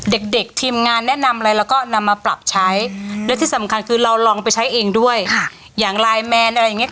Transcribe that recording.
เด็กเด็กทีมงานแนะนำอะไรเราก็นำมาปรับใช้และที่สำคัญคือเราลองไปใช้เองด้วยค่ะอย่างไลน์แมนอะไรอย่างเงี้